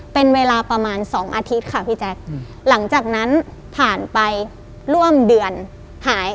เป็นเวลาประมาณสองอาทิตย์ค่ะพี่แจ๊คหลังจากนั้นผ่านไปร่วมเดือนหาย